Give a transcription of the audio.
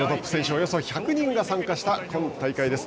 およそ１００人が参加した今大会です。